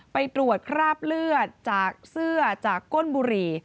ไปตรวจคราบเลือดจากเสื้อจากก้นบุหรี่